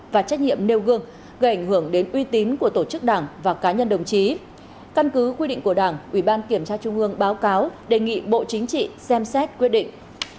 và trách nhiệm nêu gương gây ảnh hưởng đến uy tín của tổ chức đảng và cá nhân đồng chí căn cứ quy định của đảng ủy ban kiểm tra trung ương báo cáo đề nghị bộ chính trị xem xét quyết định